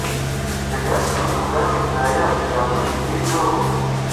Ibyo byatumye ubwami bwa ya miryango ibiri burokoka